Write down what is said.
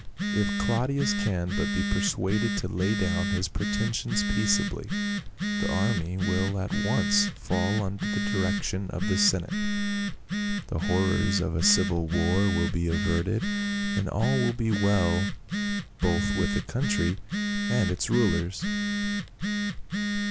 If Claudius can but be persuaded to lay down his pretentions peaceably, the army will at once fall under the direc tion of the senate, the horrors of a civil war will be averted, and all will be well both with the country and its rulers."